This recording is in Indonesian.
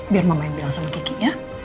biar mama yang bilang sama kiki ya